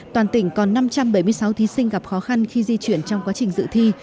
toàn tỉnh còn năm trăm bảy mươi sáu thí sinh gặp khó khăn khi di chuyển trong quá trình dự thi